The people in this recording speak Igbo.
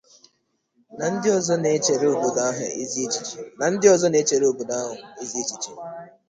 na ndị ọzọ na-echere obodo ahụ ezi echiche